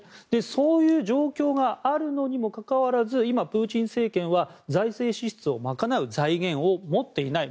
そういう状況があるのにもかかわらず今、プーチン政権は財政支出を賄う財源を持っていない。